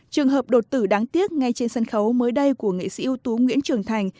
trường hợp đột tử đáng tiếc ngay trên sân khấu mới đây của nghệ sĩ ưu tú nguyễn trường thành